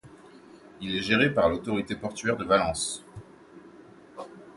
Il est géré par l'autorité portuaire de Valence.